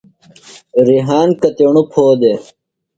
ریحان کتیݨوۡ پھو دےۡ؟